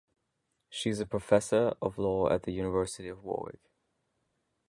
She is a professor of law at the University of Warwick.